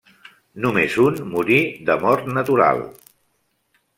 Només un morí de mort natural.